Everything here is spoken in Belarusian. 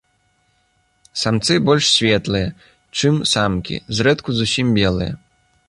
Самцы больш светлыя, чым самкі, зрэдку зусім белыя.